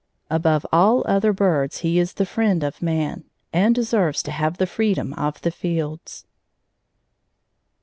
Above all other birds he is the friend of man, and deserves to have the freedom of the fields.